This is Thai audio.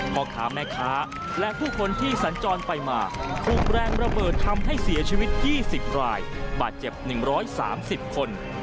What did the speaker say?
พ่อค้าแม่ค้าและผู้คนที่สัญจรไปมาถูกแรงระเบิดทำให้เสียชีวิต๒๐รายบาดเจ็บ๑๓๐คน